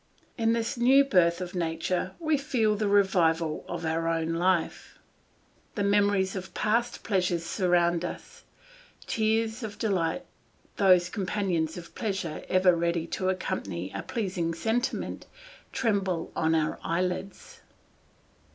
In this new birth of nature, we feel the revival of our own life; the memories of past pleasures surround us; tears of delight, those companions of pleasure ever ready to accompany a pleasing sentiment, tremble on our eyelids.